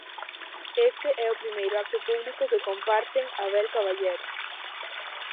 Este é o primeiro acto público que comparten Abel Caballero.